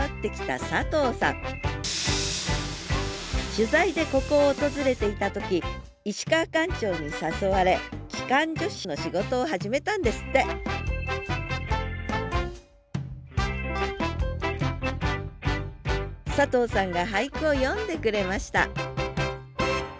取材でここを訪れていた時石川館長に誘われ機関助士の仕事を始めたんですって佐藤さんが俳句を詠んでくれました